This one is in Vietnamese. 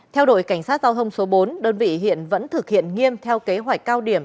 theo đội cảnh sát giao thông số bốn đơn vị hiện vẫn thực hiện nghiêm theo kế hoạch cao điểm